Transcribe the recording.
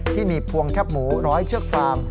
ที่มีพวงแคบหมูร้อยเชือกฟาง